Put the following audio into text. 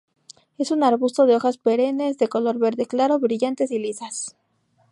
Es un arbusto de hojas perennes de color verde claro, brillantes y lisas.